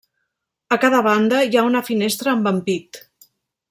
A cada banda hi ha una finestra amb ampit.